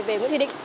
về nguyễn thị định